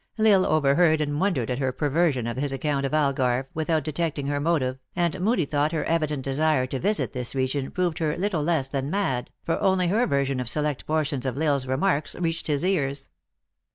L Isle overheard and wondered at her perversion of his account of Algarve, without detecting her motive, and Moodie thought her evident desire to visit this region proved her little less than mad, for only her version of select portions of L Isle s remarks reached his ears.